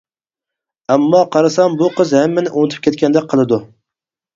ئەمما، قارىسام بۇ قىز ھەممىنى ئۇنتۇپ كەتكەندەك قىلىدۇ.